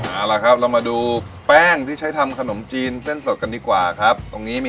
เอาละครับเรามาดูแป้งที่ใช้ทำขนมจีนเส้นสดกันดีกว่าครับตรงนี้มี